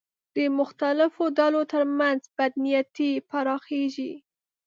د مختلفو ډلو تر منځ بدنیتۍ پراخېږي